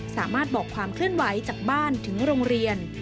สามารถบอกความเคลื่อนไหวจากบ้านถึงโรงเรียน